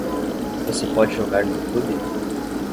Você pode jogar no Youtube?